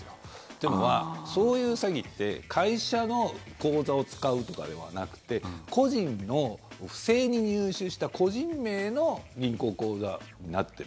というのは、そういう詐欺って会社の口座を使うとかではなくて個人の不正に入手した個人名の銀行口座になっている。